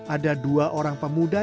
ada dua orang pemuda